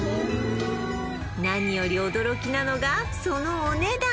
何より驚きなのがそのお値段